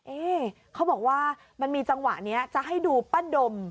เขาบอกว่ามันมีจังหวะนี้จะให้ดูป้าดม